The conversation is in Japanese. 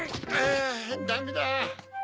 あぁダメだ。